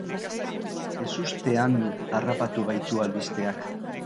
Ezustean harrapatu gaitu albisteak.